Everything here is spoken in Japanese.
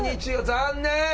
残念！